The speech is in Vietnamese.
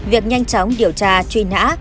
việc nhanh chóng điều tra truy nã